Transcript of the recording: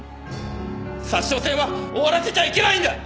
札沼線は終わらせちゃいけないんだ！